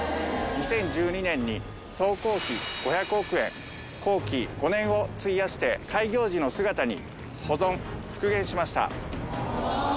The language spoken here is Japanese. ２０１２年に総工費５００億円工期５年を費やして開業時の姿に保存・復原しました。